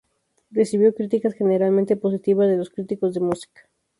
Recibió críticas generalmente positivas de los críticos de música.